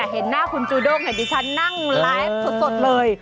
เห็นหน้าคุณจูด้งเห็นดิฉันนั่งไลฟ์สดเลย